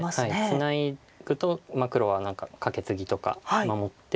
ツナぐと黒は何かカケツギとか守って。